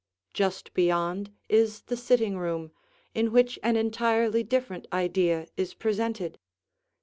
Just beyond is the sitting room in which an entirely different idea is presented.